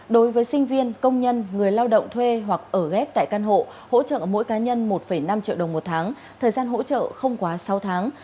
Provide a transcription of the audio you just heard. đối với sinh viên công nhân người lao động thuê hoặc ở ghép tại căn hộ hỗ trợ mỗi cá nhân một năm triệu đồng một tháng thời gian hỗ trợ không quá sáu tháng